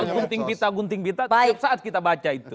gunting pita gunting pita setiap saat kita baca itu